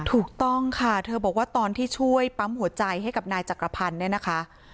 ถูกต้องค่ะเธอบอกว่าตอนที่ช่วยปั๊มหัวใจให้กับนายจักรพันธ์เนี่ยนะคะ